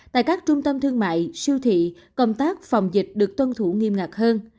tại các trung tâm thương mại siêu thị công tác phòng dịch được tuân thủ nghiêm ngặt hơn